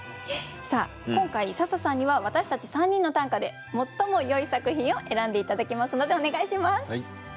今回笹さんには私たち３人の短歌で最もよい作品を選んで頂きますのでお願いします。